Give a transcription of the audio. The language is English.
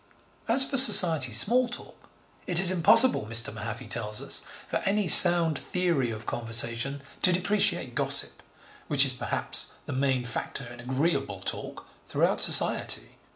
As for Society small talk, it is impossible, Mr. Mahaffy tells us, for any sound theory of conversation to depreciate gossip, 'which is perhaps the main factor in agreeable talk throughout Society.'